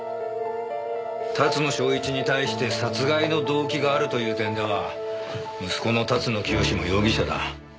龍野祥一に対して殺害の動機があるという点では息子の龍野聖も容疑者だ。